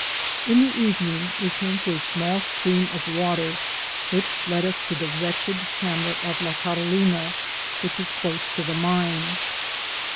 In the evening, we came to a small stream of water, which led us to the wretched hamlet of La Carolina, which is close to the mine.